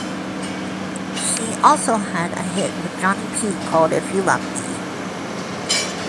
She also had a hit with Johnny P called "If you Love Me".